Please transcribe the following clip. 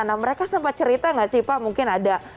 nah mereka sempat cerita nggak sih pak mungkin ada